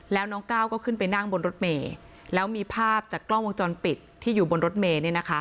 แล้วน้องก้าวก็ขึ้นไปนั่งบนรถเมย์แล้วมีภาพจากกล้องวงจรปิดที่อยู่บนรถเมย์